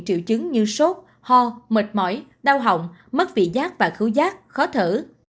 triệu chứng như sốt ho mệt mỏi đau hỏng mất vị giác và khứu giác khó thử